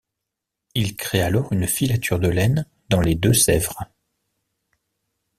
Il crée alors une filature de laine dans les Deux-Sèvres.